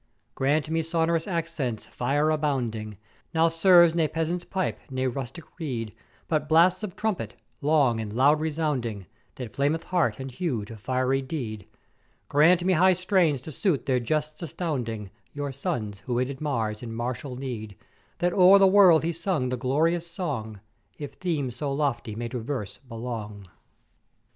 Grant me sonorous accents, fire abounding, now serves ne peasant's pipe, ne rustick reed; but blasts of trumpet, long and loud resounding, that 'flameth heart and hue to fiery deed: Grant me high strains to suit their Gestes astounding, your Sons, who aided Mars in martial need; that o'er the world he sung the glorious song, if theme so lofty may to verse belong.